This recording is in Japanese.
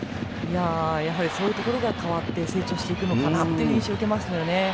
そういうところが変わって、成長していくのかなと思います。